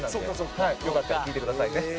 よかったら聴いてくださいね。